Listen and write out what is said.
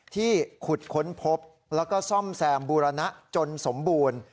ที่ขุดค้นพบแล้วก็ซ่อมแซมบูรณะจนสมบูรณ์